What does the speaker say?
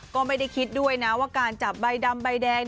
ก็ไม่ได้คิดด้วยนะว่าการจับใบดำใบแดง